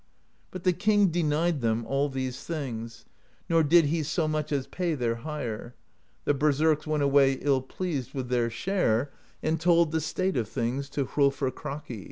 But the king denied them all these things, nor did he so much as pay their hire: the berserks went away ill pleased with their share, and told the state of things to Hrolfr Kraki.